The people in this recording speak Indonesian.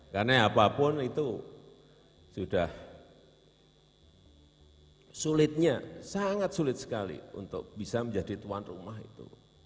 karena apapun itu sudah sulitnya sangat sulit sekali untuk bisa menjadi tuan rumah itu